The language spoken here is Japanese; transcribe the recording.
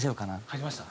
入りました？